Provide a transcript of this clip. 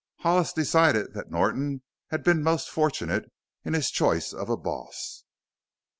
Hollis decided that Norton had been most fortunate in his choice of a "boss."